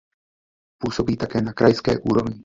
Působí také na krajské úrovni.